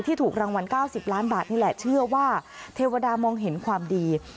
ถูกรางวัล๙๐ล้านบาทนี่แหละเชื่อว่าเทวดามองเห็นความดี